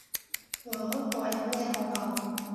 我？我有咩好講？